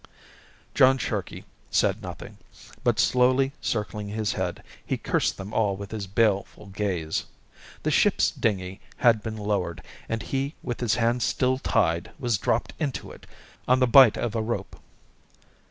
John Sharkey said nothing, but slowly circling his head, he cursed them all with his baleful gaze. The ship's dinghy had been lowered, and he with his hands still tied, was dropped into it on the bight of a rope.